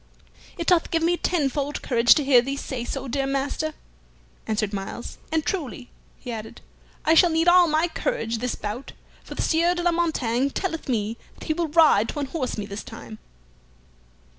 "It doth give me tenfold courage to hear thee so say, dear master," answered Myles. "And truly," he added, "I shall need all my courage this bout, for the Sieur de la Montaigne telleth me that he will ride to unhorse me this time."